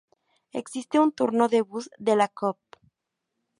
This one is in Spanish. Existe un turno de bus de la Coop.